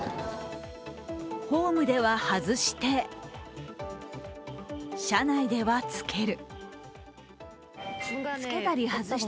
ホームでは外して車内では着ける。